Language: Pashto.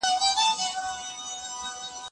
زه بايد سبزیجات جمع کړم!.